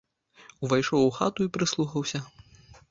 Увайшоў у хату і прыслухаўся.